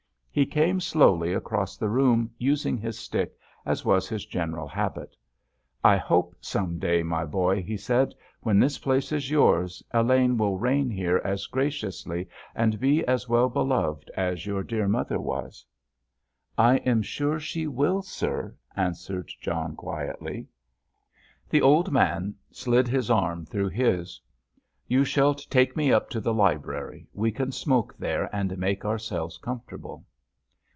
He came slowly across the room, using his stick, as was his general habit. "I hope some day, my boy," he said, "when this place is yours, Elaine will reign here as graciously and be as well beloved as your dear mother was." "I am sure she will, sir," answered John quietly. The old man slid his arm through his. "You shall take me up to the library. We can smoke there, and make ourselves comfortable."